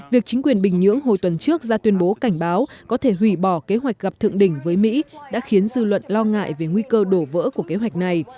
việc chính quyền bình nhưỡng hồi tuần trước ra tuyên bố cảnh báo có thể hủy bỏ kế hoạch gặp thượng đỉnh với mỹ đã khiến dư luận lo ngại về nguy cơ đổ vỡ của kế hoạch này